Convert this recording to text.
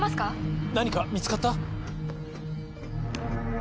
何か見つかった？